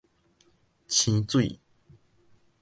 瀳水